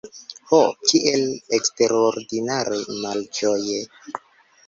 Ho, kiel eksterordinare malĝoje!